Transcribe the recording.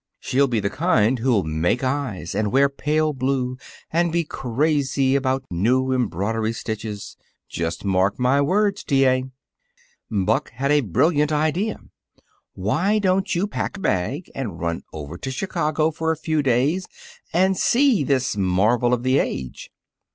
She'll be the kind who'll make eyes and wear pale blue and be crazy about new embroidery stitches. Just mark my words, T. A." Buck had a brilliant idea. "Why don't you pack a bag and run over to Chicago for a few days and see this marvel of the age?"